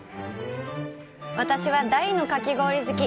私は大のかき氷好き。